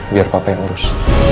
biar papa yang urus